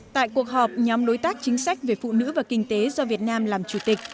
tại cuộc họp nhóm đối tác chính sách về phụ nữ và kinh tế do việt nam làm chủ tịch